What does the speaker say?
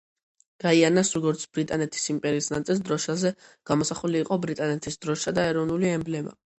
გაიანას, როგორც ბრიტანეთის იმპერიის ნაწილის, დროშაზე გამოსახული იყო ბრიტანეთის დროშა და ეროვნული ემბლემა.